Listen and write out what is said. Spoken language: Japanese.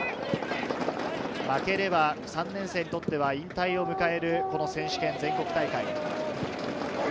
負ければ３年生にとっては引退を迎える選手権全国大会。